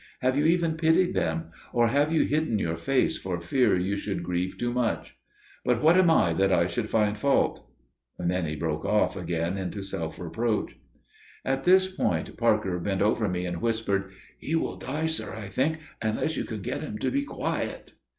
Have you even pitied them? Or have you hidden your face for fear you should grieve too much? But what am I that I should find fault?" Then he broke off again into self reproach. At this point Parker bent over me and whispered: "He will die, sir, I think, unless you can get him to be quiet."